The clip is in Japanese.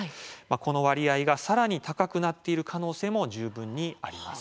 この割合がさらに高くなっている可能性も十分にあります。